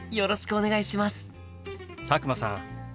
佐久間さん